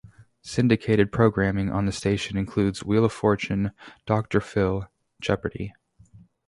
Syndicated programming on the station includes "Wheel of Fortune", "Doctor Phil", "Jeopardy!